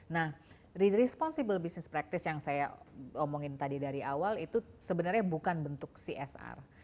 nah red responsible business practice yang saya omongin tadi dari awal itu sebenarnya bukan bentuk csr